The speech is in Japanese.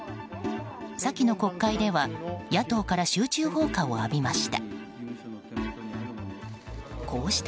先の国会では野党から集中砲火を浴びました。